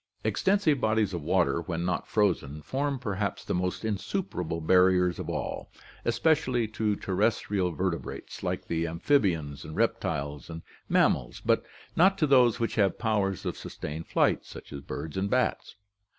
— Extensive bodies of water, when not frozen, form perhaps the most insuperable barriers of all, especially to terrestrial vertebrates like the amphibians, reptiles, and mam mals, but not to those which have powers of sustained flight, such as birds and bats.